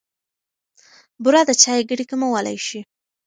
بوره د چای ګټې کمولای شي.